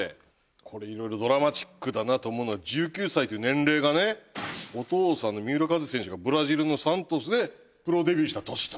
これ色々ドラマチックだなと思うのは１９歳という年齢がねお父さんの三浦カズ選手がブラジルのサントスでプロデビューした年と。